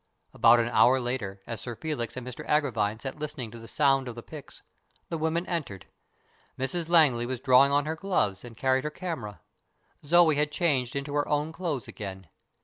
About an hour later, as Sir Felix and Mr Agravine sat listening to the sound of the picks, the women entered. Mrs Langley was drawing on her gloves and carried her camera. Zoe had changed into her own clothes again.